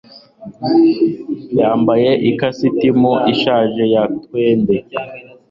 Yambaye ikositimu ishaje ya tweed.